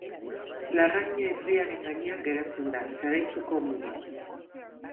Larraine herriaren gainean geratzen da, Zaraitzuko mugan.